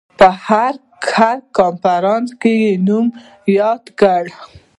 په هر کنفرانس کې یې نوم یاد کړ.